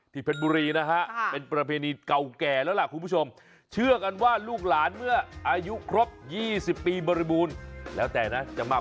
ที่เพชรบุหรีนะฮะ